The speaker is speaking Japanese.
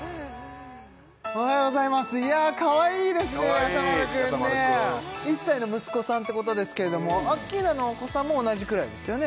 おはようございますいやかわいいですねやさ丸くんね１歳の息子さんってことですけれどもアッキーナのお子さんも同じくらいですよね